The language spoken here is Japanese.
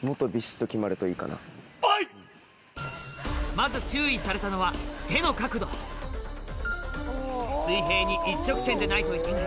まず注意されたのは水平に一直線でないといけない